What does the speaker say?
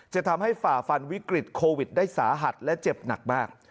จะทำให้ฝ่าฟันวิกฤตโควิดได้สาหัสและเจ็บหนักมาก